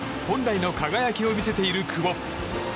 本来の輝きを見せている久保。